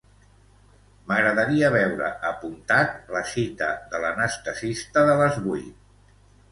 M'agradaria veure apuntat la cita de l'anestesista de les vuit.